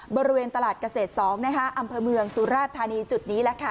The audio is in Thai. บริเวณตลาดเกษตร๒อำเภอเมืองสุราชธานีจุดนี้แหละค่ะ